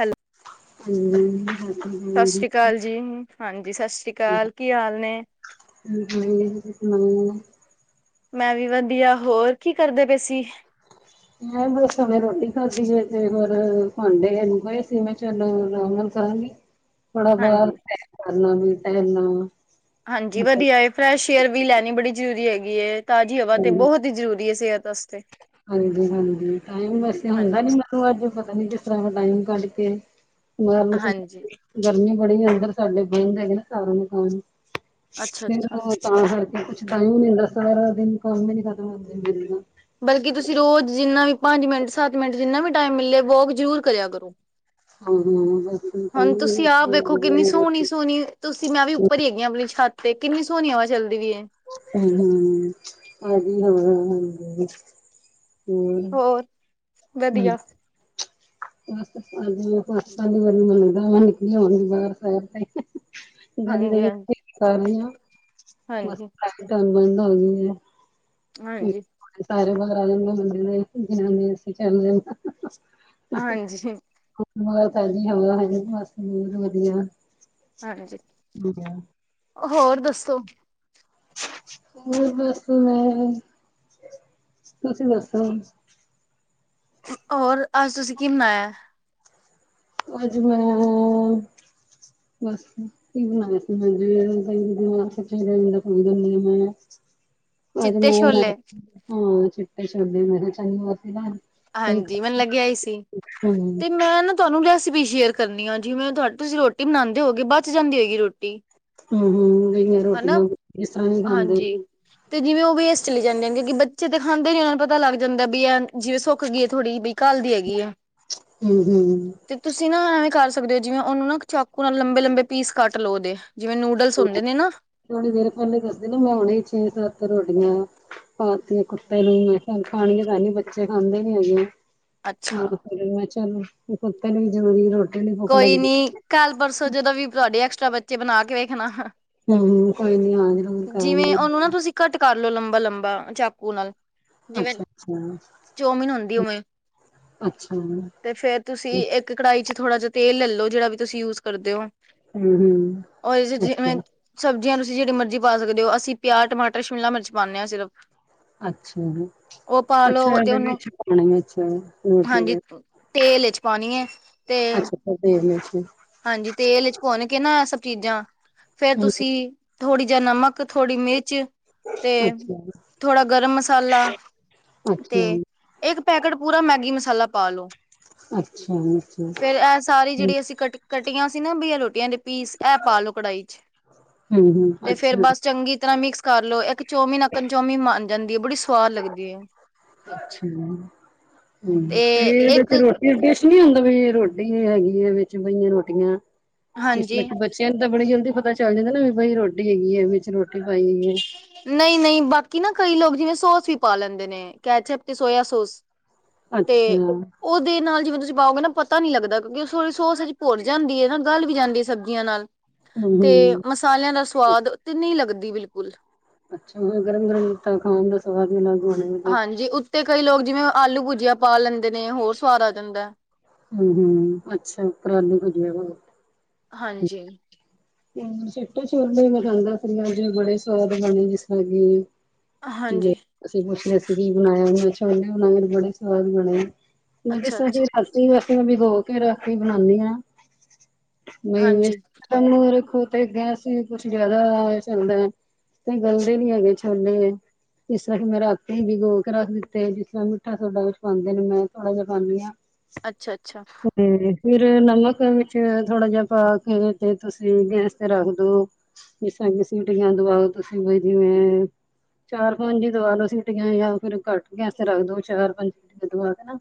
ਹੈਲ ਹਾਂਜੀ ਸਤਿ ਸ਼੍ਰੀ ਸਾਸ਼ਰੀ ਕਾਲ ਜੀ ਹਾਂਜੀ ਸਾਸ਼ਰੀ ਕਾਲ ਕੀ ਹਾਲ ਨੇਂ। ਹਾਂਜੀ [unintelligible] ਮੈਂ ਵੀ ਵਧੀਆਂ, ਹੋਰ ਕੀ ਕਰਦੇ ਪਏ ਸੀ। ਮੈਂ ਬਸ ਹੁਣੇ ਰੋਟੀ ਖਾਂਦੀ ਤੇ ਫ਼ਿਰ ਭਾਂਡੇ ਐਨੇ ਪਏ ਸੀ, ਮੈਂ ਚੱਲ ਅਰਾਮ ਨਾਲ਼ ਕਰਾਂਗੀ। [inaudible] ਥੋੜਾਂ ਬਾਹਰ ਹਾਂਜੀ ਸੈਰ ਕਰਲਾ, ਟੈਲ ਲਾ ਹਾਂਜੀ ਵਧੀਆਂ ਏ ਫਰੈਸ਼ ਏਅਰ ਵੀ ਲੈਂਣੀ ਬੜੀ ਜ਼ਰੂਰੀ ਹੈਗੀ ਏ। ਤਾਜ਼ੀ ਹਵਾ ਤੇ ਬਹੁਤ ਈ ਜ਼ਰੂਰੀ ਏ ਸੇਹਤ ਵਾਸਤੇ। ਹਾਂਜੀ-ਹਾਂਜੀ ਟਾਇਮ ਵੈਸੇ ਹੁੰਦਾਂ ਹਾਂਜੀ ਨੀਂ ਮੈਂਨੂੰ ਅੱਜ਼ ਪਤਾਂ ਨੀ ਕਿ ਜ਼ਿਆਦਾ ਟਾਇਮ ਕੱਢ ਕੇ ਉਹਦਾ ਮੈਂ ਹਾਂਜੀ ਗਰਮੀ ਬੜੀ, ਅੰਦਰ ਸਾਡੇ ਬੰਦ ਹੈਗੇ ਨਾ ਘਰ ਅੱਛਾ ਸਾਰੇ। ਅੱਛਾ ਤਾਂ ਕਰਕੇ ਕੁੱਛ ਟਾਇਮ ਨੀ ਮਿਲ਼ਦਾ, ਸਾਰਾ ਦਿਨ ਕੰਮ ਈ ਨੀ ਖਤਮ ਹੁੰਦੇ ਮੇਰੇ ਤਾਂ ਬਲਕੀ ਤੁਸੀਂ ਰੋਜ਼ ਜਿੰਨਾਂ ਵੀ ਪੰਜ ਮਿੰਟ ਸੱਤ ਮਿੰਟ ਜਿੰਨਾਂ ਵੀ ਟਾਇਮ ਮਿਲੇ ਵੋਕ ਜ਼ਰੂਰ ਕਰਿਆਂ ਕਰੋ। ਗਲੀ ਦੇ ਹੁਣ ਤੁਸੀਂ ਵਿੱਚ ਆਪ ਵੇਖੋ ਕਿੰਨੀ ਸੋਹਣੀ-ਸੋਹਣੀ ਤੁਸੀਂ ਮੈਂ ਵੀ ਉੱਪਰ ਵੀ ਹੈਗੀ ਆਪਣੀ ਛੱ ਤੇ ਕਿੰਨੀਂ ਸੋਹਣੀ ਹਵਾਂ ਚੱਲਦੀ ਪਈ ਏਂ। ਹੂੰ-ਹੂੰ, ਵਧੀਆਂ ਵਾ ਹਾਂਜੀ। ਵਧੀਆਂ। ਬਸ ਅੱਜ ਮੈਂ [unintelligible] ਗਲੀ ਦੇ ਵਿੱਚ ਚੱਕਰ ਹਾਂਜੀ ਹਾਂਜੀ ਕਰ ਰੀ ਆ, ਬਸ ਹਾਂਜੀ [unintelligible] ਏਂ। ਹਾਂਜੀ। ਬਾਕੀ ਸਾਰੇ ਬਾਹਰ ਆ ਜਾਣਗੇ [unintelligible] ਹਾਂਜੀ। ਉਸ ਤੋਂ ਬਾਅਦ [unintelligible] ਹਾਂਜੀ, ਹੋਰ ਦੱਸੋ‌। ਹੋਰ ਬੱਸ ਮੈਂ, ਤੁਸੀਂ ਦੱਸੋ। ਹੋਰ ਅੱਜ ਤੁਸੀਂ ਕੀ ਬਣਾਇਆਂ? ਅੱਜ ਮੈਂ ਕੀ ਬਣਾਇਆ ਸੀ [unintelligible] ਅ ਚਿੱਟੇ ਮੈਂ ਛੋਲੇ ਬਣਾਏ, ਹਾਂ ਚਿੱਟੇ ਛੋਲੇ ਮੈਂ ਕਿਹਾ ਚੱਲ ਮੈਂ ਵਰਤ ਰੱਖਦੀ ਆ। ਹਾਂਜੀ ਮੈਨੂੰ ਲੱਗਿਆ ਈ ਸੀ ਹੂੰ 'ਤੇ ਮੈਂ ਨਾ ਤੁਹਾਨੂੰ ਰੈਸਿਪੀ ਸ਼ੇਅਰ ਕਰਨੀ ਆ ਜਿਵੇਂ ਤੁਹਾ ਤੁਸੀਂ ਰੋਟੀ ਬਣਾਂਦੇ ਹੋਗੇ ਬਚ ਜਾਂਦੀ ਹੋਏਗੀ ਰੋਟੀ। ਹੂੰ-ਹੂੰ ਇੰਨੀਆਂ ਰੋਟੀਆਂ ਹਨਾ ਜਿਸ ਤਰਾਂ ਵੀ ਖਾਂਦੇ ਓ। ਹਾਂਜੀ 'ਤੇ ਜਿਵੇਂ ਓ ਵੇਸਟ ਚਲੀ ਜਾਂਦੀਆਂ ਹਨ ਕਿਉਕਿ ਬੱਚੇ 'ਤੇ ਖਾਂਦੇ ਨੀ ਉਨਾਂ ਨੂੰ ਪਤਾ ਲੱਗ ਜਾਂਦਾ ਵੀ ਆ ਜਿਵੇਂ ਸੁੱਕ ਗਈ ਏ ਥੋੜੀ ਬਈ ਕੱਲ ਦੀ ਐਗੀ ਏ। ਹੂੰ-ਹੂੰ। 'ਤੇ ਤੁਸੀਂ ਨਾ ਐਵੇਂ ਕਰ ਸਕਦੇ ਓ ਜਿਵੇਂ ਉਨੂੰ ਨਾ ਚਾਕੂ ਨਾਲ ਲੰਬੇ-ਲੰਬੇ ਪੀਸ ਕੱਟ ਲੋ ਉਦੇ ਜਿਵੇਂ ਨੂ ਡਲਸ ਹੁੰਦੇ ਨੇ ਨਾ। ਥੋੜੀ ਦੇਰ ਪਹਿਲਾਂ ਈ ਦੱਸਦੇ ਨਾ ਮੈਂ ਉਨਾਂ ਈ ਛੇ-ਸੱਤ ਰੋਟੀਆਂ ਹੋਰ ਫੇਰ ਕੁੱਤੇ ਨੂੰ ਵੇਖਿਆ ਖਾਂਦੇ ਤਾਂ ਐ ਨੀ ਬੱਚੇ ਖਾਂਦੇ ਨੀ ਹੈਗੇ। ਅੱਛਾ। ਮੈਂ ਚਲ ਕੇ ਕੁੱਤੇ ਨੂੰ ਜ਼ਰੂਰੀ ਰੋ ਕੋਈ ਨੀ ਕੱਲ-ਪਰਸੋਂ ਜਦੋਂ ਵੀ ਤੁਹਾਡੀ ਐਕਸਟਰਾ ਬੱਚੇ ਬਣਾ ਕੇ ਵੇਖਣਾ। ਹੂੰ ਕੋਈ ਨੀ ਆ ਨੀ ਬਣਾ ਜਿਵੇਂ ਕਰਾਂਗੇ। ਉਹਨੂੰ ਨਾ ਤੁਸੀਂ ਕੱਟ ਕਰ ਲੋ ਲੰਬਾ-ਲੰਬਾ ਚਾਕੂ ਨਾਲ। ਅੱਛਾ-ਅੱਛਾ। ਚੋਮੀਨ ਹੁੰਦੀ ਉਵੇਂ ਅੱਛਾ ਜੀ। 'ਤੇ ਫੇਰ ਤੁਸੀਂ ਇੱਕ ਕੜਾਈ 'ਚ ਥੋੜ੍ਹਾ ਜਾ ਤੇਲ ਲੈ ਲੋ ਜਿਹੜਾ ਵੀ ਤੁਸੀਂ ਯੂਜ ਕਰਦੇ ਓ। ਹੂੰ-ਹੂੰ ਉਦੇ 'ਚ ਜਿਵੇਂ ਅੱਛਾ, ਸਬਜ਼ੀਆਂ ਤੁਸੀ ਜਿਹੜੀ ਮਰਜ਼ੀ ਪਾ ਸਕਦੇ ਓ ਅਸੀਂ ਪਿਆਜ਼, ਟਮਾਟਰ, ਸ਼ਿਮਲਾ ਮਿਰਚ ਪਾਨੇ ਆ ਸਿਰਫ। ਅੱਛਾ ਜੀ। ਓ ਪਾ ਲੋ ਅੱਛਾ 'ਤੇ ਇਹਦੇ ਉਨੂੰ, ਵਿੱਚ ਪਾਣੀ ਵਿੱਚ ਰੋਟੀ ਹਾਂਜੀ ਦੇ ਤੇਲ ਵਿੱਚ ਪਾਨੀ ਐ। 'ਤੇ ਤੇਲ ਵਿੱਚ ਈ ਹਾਂਜੀ ਤੇਲ ਵਿੱਚ ਭੁੰਨ ਕੇ ਨਾ ਐ ਸਭ ਚੀਜ਼ਾਂ ਫੇਰ ਤੁਸੀਂ ਅੱਛਾ, ਥੋੜੀ ਜੇਆ ਨਮਕ, ਥੋੜੀ ਮਿਰਚ 'ਤੇ ਅੱਛਾ, ਥੋੜਾ ਗਰਮ ਮਸਾਲਾ ਅੱਛਾ, ਅੱਛਾ 'ਤੇ ਹੂੰ-ਹੂੰ ਇੱਕ ਪੈਕੇਟ ਪੂਰਾ ਮੈਂਗੀ ਮਸਾਲਾ ਪਾ ਲੋ। ਅੱਛਾ-ਅੱਛਾ। ਆਰੀ ਜਿਹੜੀ ਅਸੀਂ ਕੱਟ ਕੱਟੀਆਂ ਸੀ ਨਾ ਬਈ ਐ ਰੋਟੀਆਂ ਦੇ ਪੀਸ ਐ ਪਾ ਲੋ ਕੜਾਈ 'ਚ। ਹਾਂਜੀ ਤੇ ਫੇਰ ਅੱਛਾ। ਬਸ ਚੰਗੀ ਤਰਾਂ ਮਿਕਸ ਕਰਲੋ ਇੱਕ ਚੌਮੀਨ, ਅਕਨ ਚੌਮੀਨ ਮਨ ਜਾਂਦੀ ਏ ਬੜੀ ਸਵਾਦ ਲਗਦੀ ਏ। ਅੱਛਾ, ਹੂੰ 'ਤੇ ਏਥੇ ਰੋ ਏਦਾਂ ਟੇਸਟ ਨੀ ਹੁੰਦਾ ਬਈ ਰੋਟੀ ਹੈਗੀ ਏ ਵਿੱਚ ਬਈਆਂ ਰੋਟੀਆਂ, ਇਸ ਹਾਂਜੀ ਬਟ ਬੱ ਚਿਆਂ ਨੂੰ ਤਾਂ ਬੜੀ ਜਲਦੀ ਪਤਾ ਚੱਲ ਜਾਂਦਾ ਨਾ ਵੀ ਬਈ ਰੋਟੀ ਹੈਗੀ ਏ ਵਿੱਚ ਰੋਟੀ ਪਾਈ ਵੇ। ਨਈ-ਨਈ ਬਾਕੀ ਨਾ ਕਈ ਲੋਕ ਜਿਵੇਂ ਸੋਸ ਵੀ ਪਾ ਲੈਂਦੇ ਨੇ ਕੈਚਪ 'ਤੇ ਸੋਇਆ ਸੋਸ। ਅੱਛਾ। ਉਦੇ ਨਾਲ ਜਿਵੇਂ ਤੁਸੀਂ ਪਾਓਗੇ ਨਾ ਪਤਾ ਨੀ ਲੱਗਦਾ ਕਿਉਂਕਿ ਓ ਸਾਰੀ ਸੋਸਜ ਭੁੱਰ ਜਾਂਦੀ ਏ ਨਾ ਗਲ ਵੀ ਜਾਂਦੀ ਏ ਸਬਜ਼ੀਆਂ ਨਾਲ। ਹੂੰ-ਹੂੰ 'ਤੇ ਮਸਾਲਿਆਂ ਦਾ ਸਵਾਦ 'ਤੇ ਨੀ ਲੱਗਦੀ ਬਿਲਕੁੱਲ। ਅੱਛਾ ਫੇਰ ਗਰਮ-ਗਰਮ ਤਾਂ ਖਾਉਗੇ ਸਵਾਦ ਈ ਲੱਗ ਹਾਂਜੀ ਉੱਤੇ ਕਈ ਲੋਕ ਜਿਵੇਂ ਆਲੂ ਭੁਜੀਆ ਪਾ ਲੈਂਦੇ ਨੇ ਹੋਰ ਸਵਾਦ ਆ ਜਾਂਦਾ। ਹੂੰ-ਹੂੰ ਅੱਛਾ ਉੱਪਰ‌ ਆਲੂ ਭੁਜਿਆ ਹਾਂਜੀ। ਹੂੰ ਚਿੱਟੇ ਛੋਲੇ ਮੈਂ ਖੇ ਆਂਦਾ ਪੁੜਿਆਂ 'ਚ ਬੜੇ ਸਵਾਦ ਬਣੇ ਜਿਸ ਤਰਾਂ ਕੀ ਹਾਂਜੀ, ਅਸੀਂ ਪੁੱਛ ਰੇ ਸੀ ਕੀ ਬਣਾਇਆ ਅੱਛਾ ਉਨੇ ਮੇਰ ਬੜੇ ਸਵਾਦ ਬਣੇ। ਮੈਂ ਤੇ [unintelligible] ਰਾਤੀ, ਅੱਛਾ-ਅੱਛਾ, ਰਾਤੀ ਮੈ ਬਿਗੋ ਕੇ ਰਾਖ ਕੇ ਬਣਾਉਦੀ ਹਾਂ। ਬਈ ਹਾਂਜੀ, [unintelligible] ਰੱਖੋ ਤੇ ਗੈਸ ਵੀ ਕੁਛ ਜਿਆਦਾ ਚੱਲਦਾ। ਫੇਰ ਗੱਲਦੇ ਨੀ ਹੈਗੇ ਛੋਲੇ ਐ। ਇਸ ਤਰ੍ਹਾਂ ਕਿ ਮੈਂ ਰਾਤੀ ਹੀ ਬੀਗੋ ਕੇ ਰੱਖ ਦਿੱਤੇ, ਜਿਸ ਤਰ੍ਹਾਂ ਮਿੱਠਾ ਸੋਡਾ ਵਿੱਚ ਪਾਉਂਦੇ ਨੇ ਮੈਂ ਥੋੜਾ ਜਿਹਾ ਪਾਉਂਦੀ ਹਾਂ। ਅੱਛਾ, ਅੱਛਾ। ਤੇ ਫਿਰ ਨਮਕ ਵਿੱਚ ਥੋੜਾ ਜਿਹਾ ਪਾ ਕੇ ਤੇ ਤੁਸੀਂ ਗੈਸ ਤੇ ਰੱਖਦੋ ਜਿਸ ਤਰਾ ਕਿ ਸੀਟੀਆਂ ਦਵਾਓ ਤੁਸੀਂ ਬਈ ਜਿਵੇਂ ਚਾਰ -ਪੰਜ ਹੀ ਦਵਾ ਲੋ ਸੀਟੀਆਂ ਜਾਂ ਫੇਰ ਘੱਟ ਕੇੈਸ ਰੱਖ ਦਓ, ਚਾਰ- ਪੰਜ ਤੇ ਦੁਆ ਦੇਣਾ।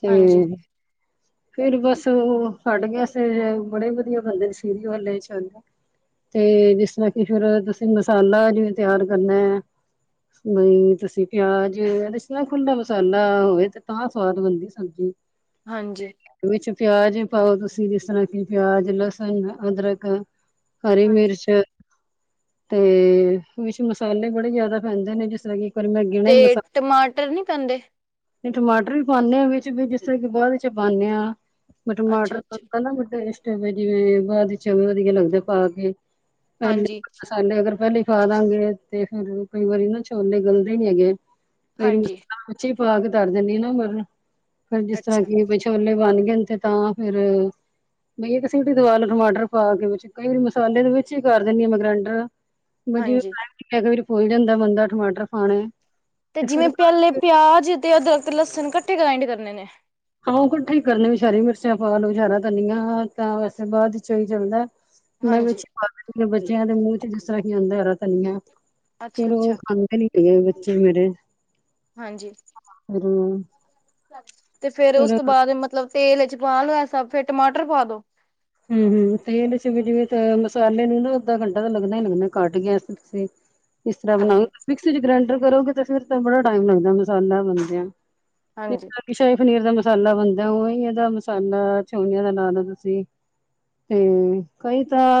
ਤੇ ਹਾਂਜੀ, ਫੇਰ ਬਸ ਉਹ ਹੱਡ ਗਿਆ ਸੀ, ਬੜੇ ਵਧੀਆ ਬੰਦੇ ਸੀ। ਫਿਰ ਵੀ ਹਲੇ ਉਹ ਚੱਲਦਾ। ਤੇ ਜਿਸ ਤਰ੍ਹਾਂ ਕਿ ਫਿਰ ਤੁਸੀਂ ਮਸਾਲਾ ਜਿਵੇਂ ਤਿਆਰ ਕਰਨਾ ਐ ਬਈ ਤੁਸੀਂ ਪਿਆਜ ਏਦ ਚ ਖੁਲਾ ਮਸਾਲਾ ਹੋਵੇ ਤੇ ਤਾਂ ਸਵਾਦ ਬਅਣਦੀ। ਹਾਂਜੀ। ਹਾਂਜੀ। ਵਿੱਚ ਪਿਆਜ ਪਾਓ ਤੁਸੀਂ, ਜਿਸ ਤਰ੍ਹਾਂ ਕਿ ਪਿਆਜ, ਲਸਣ, ਅਦਰਕ ਹਰੀ ਹਾਂਜੀ, ਮਿਰਚ ਅ ਤੇ ਵਿੱਚ ਮਸਾਲੇ ਬੜੇ ਜ਼ਿਆਦਾ ਪੈਂਦੇ ਨੇ, ਜਿਸ ਤਰ੍ਹਾਂ ਕਿ ਵਾਰੀ ਮੈਂ ਗਿਣੇ ਤੇ ਟਮਾਟਰ ਨੀ ਪੈਂਦੇ? ਨਹੀਂ ਟਮਾਟਰ ਵੀ ਪਾਉਂਦੇ ਹਾਂ ਵਿੱਚ ਵੀ ਜਿਸ ਤਰ੍ਹਾਂ ਕਿ ਬਾਅਦ ਚ ਪਾਉਂਦੇ ਹਾਂ। ਟਮਾਟਰ ਅੱਛਾ-ਅੱਛਾ, ਪਲਕਾ ਨਾ ਟੇਸਟ ਹੋਵੇ, ਜਿਵੇਂ ਬਾਅਦ ਵਿੱਚ ਵਧੀਆ ਲੱਗਦਾ ਪਾ ਕੇ। ਪਹਿਲੇ, ਹਾਂਜੀ, ਮਸਾਲੇ ਅਗਰ ਪਹਿਲੇ ਪਾ ਦਾਂਗੇ ਤੇ ਫੇਰ ਕਈ ਵਾਰੀ ਨਾ ਛੋਲੇ ਗੱਲਦੇ ਨੀ ਹੈਗੇ, ਕਈ ਹਾਂਜੀ, ਵਿੱਚੇ ਹੀ ਪਾ ਕੇ ਤਰ ਦਿੰਦੀ ਨਾ ਮਤਲਬ, ਫਿਰ ਜਿਸ ਤਰ੍ਹਾਂ ਅੱਛਾ, ਕੀ ਵਿੱ ਛੋਲੇ ਬਣ ਗਏ ਨੇ, ਤੇ ਤਾਂ ਫੇਰ ਬਈ ਸੀਟੀ ਦੁਆ ਲਓ ਟਮਾਟਰ ਪਾ ਕੇ ਵਿੱਚ, ਕਈ ਵਾਰੀ ਮਸਾਲੇ ਦੇ ਵਿੱਚ ਹੀ ਕਰ ਦਿੰਦੀ ਹਾਂ ਮੈਂ ਗ੍ਰੈਂਡਰ। ਬਸ ਜਿਵੇਂ ਹਾਂਜੀ। [unintelligible] ਕਈ ਵਾਰ ਪੁੱਲ ਜਾਂਦਾ ਬੰਦਾ ਟਮਾਟਰ ਪਾਣੇ। ਤੇ ਜਿਵੇਂ ਪਿਹਲੇ ਪਿਆਜ ਤੇ ਅਦਰਕ, ਲਸਣ ਇਕੱਠੇ ਗ੍ਰਾਇੰਡ ਕਰਨੇ ਨੇ। ਹਾਂ ਇਕੱਠੇ ਹੀ ਕਰਨ ਵਿੱਚ ਹਰੀ ਮਿਰਚਾਂ ਪਾ ਲੋ ਹਰਾ ਧਨੀਆ ਤਾਂ ਵੈਸੇ ਬਾਅਦ ਚੋਂ ਹੀ ਚੱਲਦਾ। ਮੈਂ ਹਾਂਜੀ, ਵਿੱਚ ਪਾ ਦਿਨੀ ਆ, ਬੱਚਿਆਂ ਦੇ ਮੂੰਹ ਚ ਜਿਸ ਤਰ੍ਹਾਂ ਹੀ ਆਉਂਦਾ ਹੈ ਹਰਾ ਧਨੀਆਂ। ਫੇਰ ਉਹ ਅੱਛਾ-ਅੱਛਾ, ਖਾਂਦੇ ਨੀ ਹੈਗੇ ਬੱਚੇ ਮੇਰੇ, ਹਾਂਜੀ। ਫੇਰ ਤੇ ਫੇਰ ਉਸ ਤੋਂ ਬਾਅਦ ਮਤਲਬ ਤੇਲ ਵਿਚ ਪਾ ਲਓ ਇਹ ਸਬ ਫੇਰ ਟਮਾਟਰ ਪਾ ਦੋ। ਹਮ, ਹਮ ਤੇਲ ਚਿਵੇਂ ਜਿਵੇਂ ਮਸਾਲੇ ਨੂੰ ਨਾ ਅੱਧਾ ਘੰਟਾ ਤਾਂ ਲੱਗਣਾ ਹੀ ਲੱਗਣਾ ਕੱਟ ਗੈਸ ਤੇ ਤੁਸੀਂ ਇਸ ਤਰ੍ਹਾਂ ਬਣਾਉ ਹਾਂਜੀ, ਮਿਕਸੀ ਚ ਗ੍ਰੈਂਡਰ ਕਰੋਗੇ ਤੇ ਫੇਰ ਤਾਂ ਬੜਾ ਟਾਈਮ ਲੱਗਦਾ ਮਸਾਲਾ ਬਣਦਿਆਂ। ਹਾਂਜੀ, [unintelligible] ਸ਼ਾਹੀ ਪਨੀਰ ਦਾ ਮਸਾਲਾ ਬਣਦਾ, ਉਹਹੀ ਇਹਦਾ ਮਸਾਲਾ ਛੋਲੀਆਂ ਦਾ ਲਾਲੋ ਤੁਸੀਂ। ਤੇ ਕਈ ਤਾਂ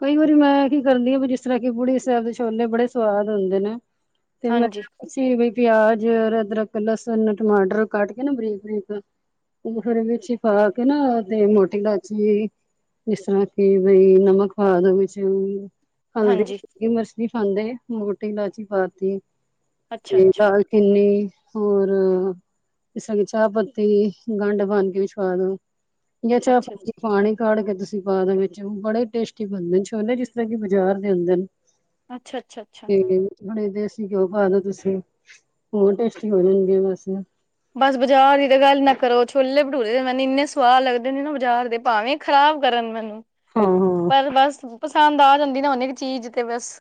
ਕਈ ਵਾਰੀ ਮੈਂ ਕੀ ਕਰਦੀ ਹਾਂ ਵੀ, ਜਿਸ ਤਰ੍ਹਾਂ ਕਿ ਬੁੜੀ ਸਾਹਿਬ ਦੇ ਛੋਲੇ ਬੜੇ ਸਵਾਦ ਹੁੰਦੇ ਨੇ। ਤੇ ਹਾਂਜੀ, ਤੇ ਬਈ ਪਿਆਜ ਔਰ ਅਦਰਕ, ਲਸਣ, ਟਮਾਟਰ ਕੱਟ ਕੇ ਨਾ ਬਰੀਕ, ਬਰੀਕ ਉਹ ਫੇਰ ਵਿੱਚ ਹੀ ਪਾ ਕੇ ਨਾ ਤੇ ਮੋਟੀ ਲਾ ਠੀਕ, ਜਿਸ ਤਰ੍ਹਾਂ ਕਿ ਬਈ ਨਮਕ ਪਾ ਦੋ ਵਿੱਚ ਹਲਦੀ ਹਾਂਜੀ, ਹਰੀ ਮੀਹਚ ਨਹੀਂ ਪਾਦੇਂ ਮੋਟੀ ਇਲਾਚੀ ਪਾਤੀ ਤੇ ਅੱਛਾ-ਅੱਛਾ, ਲਾਲ ਕਿੰਨੇ ਹੋਰ ਜੀਸ ਤਰ੍ਹਾਂ ਕਿ ਚਾਹ ਪੱਤੀ ਗੰਡ ਬਣ ਕੇ ਵੀ ਵਾ ਦਓ, ਜਾਂ ਚਾਹ ਅੱਛਾ-ਅੱਛਾ, ਅੱਛਾ-ਅੱਛਾ, ਅੱਛਾ। ਪਾਨੀ ਕਾੜ ਕੇ ਤੁਸੀਂ ਪਾ ਦੇ ਵਿੱਚ ਉਹ ਬੜੇ ਟੇਸਟੀ ਬਣਦੇ ਛੋਲੇ ਜਿਸ ਤਰ੍ਹਾ ਕਿ ਬਜ਼ਾਰ ਦੇ ਹੁੰਦੇ ਨੇ। ਅੱਛਾ ਅੱਛਾ ਅੱਛਾ [unintelligible] ਖੋੜੇ ਦੇਸੀ ਘਿਓ ਪਾਦੋ ਤੁਸੀ ਹੋਰ ਟੇਸਟੀ ਹੋ ਜਾਨਗੇ ਬਸ। ਬਸ ਬਾਜਾਰ ਦੀ ਤਾਂ ਗੱਲ ਨਾ ਕਰੋ ਛੋਲੇ ਭਟੂਰੇ ਤੇ ਮੈਨੂੰ ਇਨੇ ਸਆਦ ਲਗਦੇ ਨਾ ਬਜਾਰ ਦੇ ਭਾਵੇ ਖਰਾਬ ਕਰਨ ਮੈਨੂੰ, ਹਾਂ-ਹਾਂ। ਪਰ ਬਸ ਪਸੰਦ ਆ ਜਾਦੀ ਨਾ ਹੁਨ ਚੀਜ ਤੇ ਬਸ।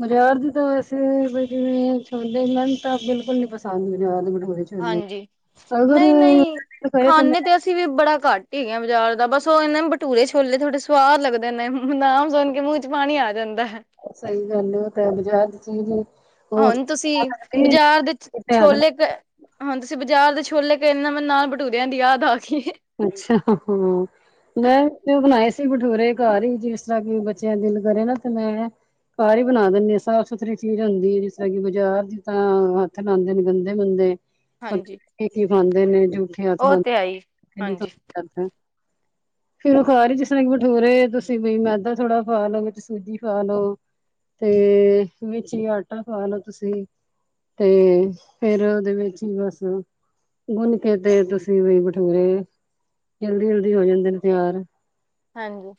ਬਾਜ਼ਾਰ ਦੀ ਤਾਂ ਵੈਸੇ ਜਿਵੇ ਛੋਦੇ ਮੈਨੂੰ ਤਾਂ ਬਿਲਕੁਲ ਨੀ ਪਸੰਦ ਬਾਜ਼ਾਰ ਦੇ ਬਟੂਰੇ। ਹਾਂਜੀ ਨਈ-ਨਈ ਕਰੇ ਤਾਂ ਖਾਨੇ ਤੇ ਮੈਂ ਅਸੀ ਵੀ ਬੜਾ ਘੱਟ। ਠੀਕ ਆ ਬਾਜਾਰ ਦਾ ਬਸ ਉਹ ਏ ਨਾ ਬਟੂਰੇ ਛੋਲੇ ਥੋੜੇ ਸਵਾਦ ਲਗਦੇ ਨੇ ਨਾਮ ਸੁਨ ਕੇ ਮੂੰਹ ਚ ਪਾਨੀ ਆ ਜਾਂਦਾ। ਸਹੀ ਗੱਲ ਏ ਉਹ ਤੇ ਹੇ ਬਾਜਾਰ ਦੀ ਚੀਜ ਹੁਣ ਤੁਸੀ ਬਜਾਰ ਦੇ ਛੋਲੇ ਹੋਨ ਤੁਸੀ ਬਾਜਾਰ ਦੇ ਛੋਲੇ ਕਏ ਨੇ ਨਾ ਮੈਨ ਨਾਲ ਬਟੂਦਿਆਂ ਦੀ ਯਾਦ ਆ ਗਈ ਏ। ਅਛਾ ਹਾਂ। ਮੈਂ ਤੇ ਉਹ ਬਨਾਏ ਸੀ ਭਠੂਰੇ ਕਾਰ ਹੀ ਜਿਸ ਤਰ੍ਹਾਂ ਕਿ ਬੱਚਿਆਂ ਦਿਲ ਕਰੇ ਨਾ ਤੇ ਮੈਂ ਕਾਹ ਹੀ ਬਣਾ ਦਿਨੀ ਆ ਸਾਫ਼ ਸੁਥਰੀ ਚੀਜ ਹੁੰਦੀ ਏ ਜਿਸ ਤਰ੍ਹਾਂ ਕਿ ਬਾਜਾਰ ਦੀ ਤਾਂ ਹੱਥ ਲਾਂਦੇ ਨੇ ਗੰਦੇ ਮੰੰਦੇ। ਪ ਹਾਂਜੀ ਕੀ ਕੀ ਖਾਂਦੇ ਨੇ ਜੂਠੇ ਹੱਥ ਉਹ ਨਾਲ ਤੇ ਆਈ ਹਾਂਜੀ [unintelligible] ਫੇਰ ਉਹ ਕਾਰ ਹੀ ਜਿਸਰਾ ਬਠੂਰੇ ਤੁਸੀ ਬਈ ਮੈਦਾ ਥੋੜਾ ਪਾ ਲੋ ਵਿਚ ਸੂਜੀ ਪਾ ਲੋ ਤੇ ਵਿਚ ਹੀ ਆਟਾ ਪਾ ਲੋ ਤੁਸੀ। ਤੇ ਫੇਰ ਉਹਦੇ ਵਿਚ ਹੀ ਬਸ ਗੁਨਕੇ ਤੇ ਤੁਸੀ ਵੀ ਭਟੂਰੇ ਜਲਦੀ-ਜਲਦੀ ਹੋ ਜਾਦੇ ਨੇ ਤਿਆਰ। ਹਾਂਜੀ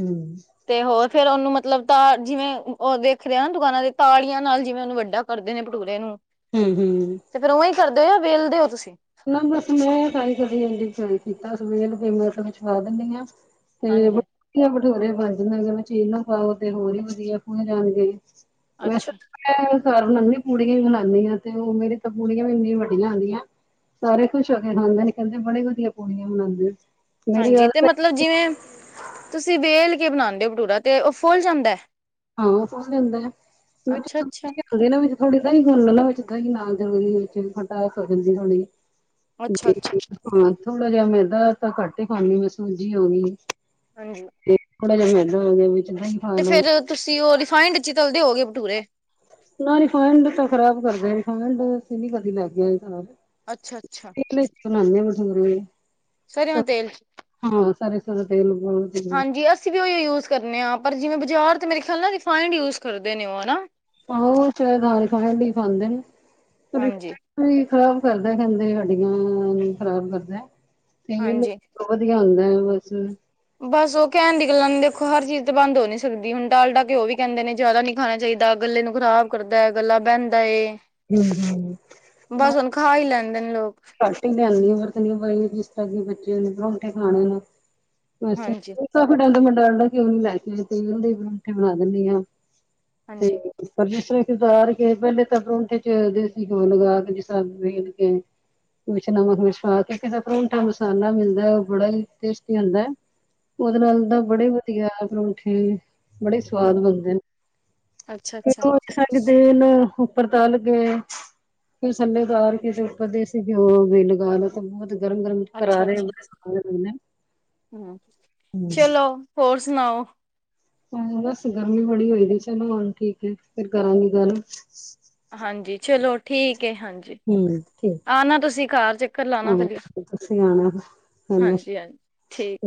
ਹੂੰ, ਤੇ ਹੋਰ ਫੇਰ ਉਨੂੰ ਮਤਲਬ ਤਾਂ ਜਿਵੇ ਉਹ ਦੇਖਰੇ ਆ ਨਾ ਦੁਕਾਨਾ ਦੇ ਤਾੜੀਆਂ ਨਾਲ ਜਿਵੇ ਉਨੂੰ ਵਡਾ ਕਰਦੇ ਨੇ ਪਟੂਰੇ ਨੂੰ। ਹੂੰ-ਹੂੰ ਤੇ ਫੇਰ ਉਵੇ ਹੀ ਕਰਦੇ ਹੋ ਯਾ ਵੇਲਦੇ ਹੋ ਤੁਸੀ? ਨਾ ਬਸ ਮੈ [unintelligible] ਦਿੰਨੀ ਆ। ਤੇ ਹਾਂਜੀ ਵਧੀਆ ਭਠੂਰੇ ਵੀ ਬਨ ਜਾਣਗੇ ਵਿਚ ਇਨੋ ਪਾਓ ਤੇ ਹੋਰ ਵੀ ਵਧੀਆ ਜਾਣ ਗੇ। ਵੈਸੇ ਤ ਅੱਛਾ ਮੈ ਕਰ ਬਨਾਨੀ ਆ ਪੂੜੀਆਂ ਹੀ ਬਨਾਨੀ ਆ ਤੇ ਉਹ ਮੇਰੀ ਤਾਂ ਪੂੜੀਆਂ ਵੀ ਇੰਨੀਆਂ ਵਡੀਆਂ ਹੂਦੀਆ। ਸਾਰੇ ਖੁਸ਼ ਹੋ ਕੇ ਖਾਦੇ ਨੇ ਕਹਦੇ ਬੜੀ ਵਧੀਆ ਪੂੜੀਆਂ ਬਨਾਦੇ ਹੋ ਤ ਹਾਂਜੀ ਤੇ ਮਤਲਬ ਜਿਵੇ ਤੁਸੀ ਵੇਲ ਕੇ ਬਨਾਦੇ ਹੋ ਭਟੂਰਾ ਤੇ ਉਹ ਫੁੱਲ ਜਾਂਦਾ। ਹਾਂ ਫੁੱਲ ਜਾਦਾ ਵਿਚ ਅੱਛਾ ਅੱਛਾ ਸੂਜੀ ਤੁਸੀ ਨਾ ਵਿਚ ਥੋੜੀ ਦਈ ਗੁੱਨ ਲੋ ਨਾ ਵਿਚ ਦਈ ਨਾਲ ਜਲਦੀ ਵਿਚ ਖੱਟਾਸ ਹੋ ਜਾਦੀ ਥੋੜੀ। ਅੱਛਾ ਅੱਛਾ ਹਾਂ ਥੋੜਾ ਜਾ ਮੈਦਾ ਤਾਂ ਘੱਟ ਹੀ ਪਾਨੀ ਮੈ ਸੂਜੀ ਹੋ ਗੀ। ਹਾਂਜੀ ਥੋੜਾ ਜਾ ਮੈਦਾ ਹੋ ਗਿਆ ਵਿਚ ਦਈ। ਤੇ ਫੇਰ ਤੁਸੀ ਉਹ ਰਿਫਾਈੰਡ ਇਚ ਹੀ ਤਲਦੇ ਹੋਗੇ ਭਟੂਰੇ। ਨਾ ਰਿਫਾਇਡ ਦੇ ਤਾਂ ਖਰਾਬ ਕਰਦੇ ਰਿਫਾਇਡ ਅਸੀ ਨੀ ਕਦੀ ਲੈ ਕੇ ਆਏ [unintelligible] ਅੱਛਾ-ਅੱਛਾ ਬਨਾਨੇ ਆ ਭਟੂਰੇ ਸਰ੍ਹੋਂ ਹਾਂ ਤੇਲ ਚ ਸਰ ਸਰਸੌ ਦੇ ਤੇਲ [unintelligible] ਅਸੀ ਵੀ ਉਹੀ ਯੂਜ ਕਰਨੇ ਆ ਪਰ ਜਿਵੇ ਬਾਜਾਰ ਤੇ ਮੇਰੇ ਖਿਆਲ ਨਾਲ ਰਿਫਾਇੰਡ ਯੂਜ ਕਰਦੇ ਨੇ ਉਹ ਹਨਾ। ਆਹੋ [unintelligible] ਖਾਨਾ ਨੀ ਖਾਂਦੇ। ਹਾਂਜੀ ਵੀ ਖਰਾਬ ਕਰਦਾ ਕੈਦੇ ਹੱਡੀਆਂ ਨੂ ਖਰਾਬ ਕਰਦਾ ਤੇਲ ਹਾਂਜੀ ਵਧੀਆ ਹੁੰਦਾ ਬਸ। ਬਸ ਉਹ ਕਹਨ ਦੀ ਗੱਲਾਂ ਨੇ ਦੇਖੋ ਹਰ ਚੀਜ਼ ਤੇ ਬੰਦ ਹੋ ਨੀ ਸਕਦੀ ਹੁਣ ਡਾਲਡਾ ਘਿਓ ਵੀ ਕੇਂਦੇ ਨੇ ਜਾਦਾ ਨੀ ਖਾਨਾ ਚਾਹੀਦਾ ਗੱਲੇ ਨੂੰ ਖਰਾਬ ਕਰਦਾ ਗੱਲਾ ਬਹਿੰਦਾ ਏ। ਬਸ ਉਹੁਣ ਖਾ ਹੀ ਲੈਦੇ ਨੇ ਲੋਕ। ਸਟਾਰਟਿੰਗ ਆਂਦੀ ਵਰਤਦੀ ਈ ਜਿਸ ਤਰ੍ਹਾਂ ਕਿ ਬੱਚੇ ਨੇ ਪਰੋਠੇ ਖਾਣੇ ਵੈਸੇ- ਹਾਂਜੀ ਕਾਫੀ ਟਾਈਮ ਤੋ ਮੈ ਡਾਲਡਾ ਘਿਓ ਨਹੀ ਲਿਆਦੀ ਤੇਲਦੇ ਪਰੋਠੇ ਬਣਾ ਦਿੰਦੀ ਹਾਂ ਹਾਂਜੀ ਤੇ- ਪਰ ਜਿਸ ਤਰ੍ਹਾਂ ਉਤਾਰ ਕੇ ਪਹਿਲੇ ਤਾਂ ਪਂਰਾਠੇ 'ਚ ਦੇਸੀ ਘਿਓ ਲਗਾ ਕੇ ਜਿਸ ਤਰ੍ਹਾਂ ਵੇਲ ਕੇ- ਵਿਚ ਨਮਕ ਮਿਰਚ ਪਾ ਕੇ ਇਹ ਦਾ ਤਾਂ ਪਰੋਠਾ ਮਸਾਲਾ ਮਿਲਦਾ ਐ, ਉਹ ਬੜਾ ਹੀ ਟੇਸਟੀ ਹੁੰਦਾ ਐ। ਉਹਦੇ ਨਾਲ ਤਾਂ ਬੜੇ ਵਧੀਆ ਪਰੋਠੇ- ਬੜੇ ਸਵਾਦ ਹਮ ਬਣਦੇ ਅੱਛਾ ਨੇ, ਅੱਛਾ ਓਦੋ ਸਾਡੇ ਬੈਲ ਉਪਰ ਤਲ ਗਏ ਫਿਰ ਥੱਲੇ ਉਤਾਰ ਕ ਉੱਪਦੇ ਦੇਸੀ ਘਿਓ ਵੀ ਲਗਾ ਲ ਤਾਂ ਬਹੁਤ ਗਰਮ -ਗਰਮ ਕਰਾਰੇ ਰਹੇ ਬ ਹੂ ਚਲੋ ਹੋਰ ਸੁਣਾਓ? ਹਾਂ ਬਸ ਗਰਮੀ ਬੜੀ ਹੋਈ ਸੀ ਚਲੋ ਹਣ ਠੀਕ ਹੈ ਫੇਰ ਕਰਾਂਗੀ ਗੱਲ। ਹਾਂਜੀ ਚਲੋ ਠੀਕ ਹੈ ਹਾਂਜੀ। ਹੂੰ ਠੀਕ। ਆਣਾ ਤੁਸੀਂ ਕਾਰ ਚੱਕਰ ਲਾਣਾ ਆਹੋ ਕਦੇ ਹਾਂਜੀ- ਤੁਸੀਂ ਆਣਾ ਕੱਲ। ਹਾਂਜੀ। ਠੀਕ।